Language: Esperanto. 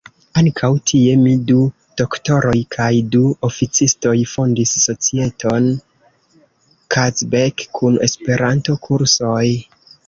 Ankaŭ tie mi, du doktoroj kaj du oficistoj fondis societon "Kazbek" kun Esperanto-kursoj.